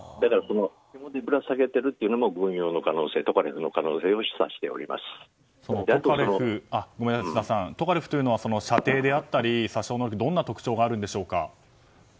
ひもをぶら下げているというのも軍用の可能性、トカレフのトカレフというのは射程であったり殺傷能力にどのような特徴があるんでしょうか。